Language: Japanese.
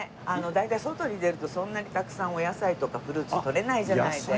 大体外に出るとそんなにたくさんお野菜とかフルーツとれないじゃないですか。